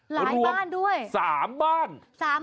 หลายบ้านด้วยสามบ้านพร้อมรวม๓บ้าน